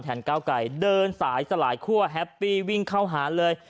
ก้าวไก่เดินสายสลายคั่วแฮปปี้วิ่งเข้าหาเลย